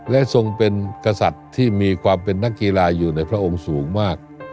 และทรงเป็นกษัตริย์ที่มีความเป็นนักกีฬาอยู่ในพระองค์สูงมาก